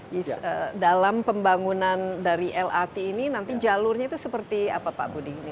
di dalam pembangunan dari lrt ini nanti jalurnya itu seperti apa pak budi